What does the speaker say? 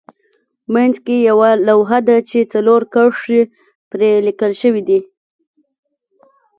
منځ کې یوه لوحه ده چې څلور کرښې پرې لیکل شوې دي.